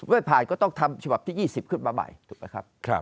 ผ่านก็ต้องทำฉบับที่๒๐ขึ้นมาใหม่ถูกไหมครับ